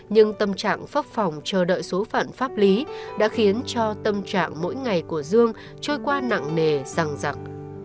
nhưng tâm trạng pháp phòng chờ đợi số phận pháp lý đã khiến cho tâm trạng mỗi ngày của dương trôi qua nặng nề rằng rặc